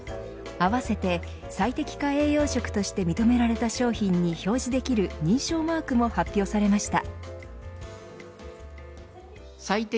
併せて、最適化栄養食として認められた商品に表示できる認証マークも発表されました。